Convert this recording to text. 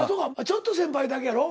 ちょっと先輩なだけやろ？